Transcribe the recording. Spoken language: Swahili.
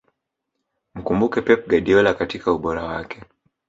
mkumbuke pep guardiola katika ubora wake